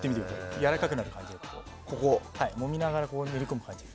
やわらかくなってくる。もみながら塗り込む感じで。